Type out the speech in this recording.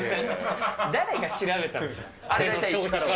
誰が調べたんですか。